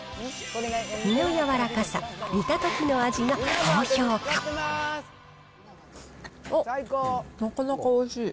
身の柔らかさ、おっ、なかなかおいしい。